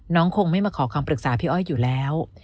คงไม่มาขอคำปรึกษาพี่อ้อยอยู่แล้ว